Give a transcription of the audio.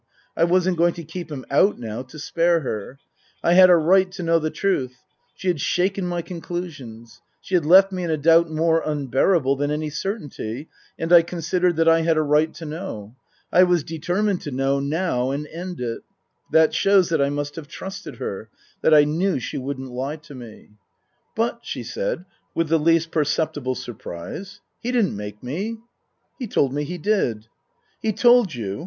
I wasn't going to keep him out now to spare her. I had a right to know the truth. She had shaken my conclusions. She had left me in a doubt more unbearable than any certainty, and I considered that I had a right to know. I was determined to know now and end it. That shows that I must have trusted her ; that I knew she wouldn't lie to me. " But," she said, with the least perceptible surprise, " he didn't make me." " He told me he did." " He told you